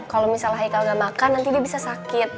kalau misalnya hikal gak makan nanti dia bisa sakit